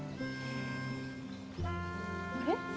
あれ？